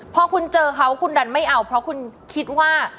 พอคุณเจอเขาคุณดันไม่เอาเพราะคุณคิดว่า